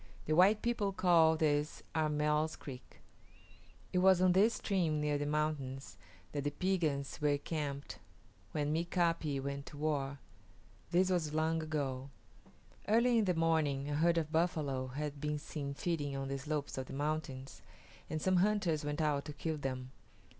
The white people call this Armell's Creek. It was on this stream near the mountains that the Piegans were camped when M[=i]ka´pi went to war. This was long ago. Early in the morning a herd of buffalo had been seen feeding on the slopes of the mountains, and some hunters went out to kill them.